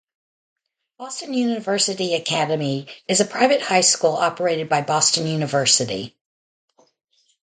Boston University Academy is a private high school operated by Boston University.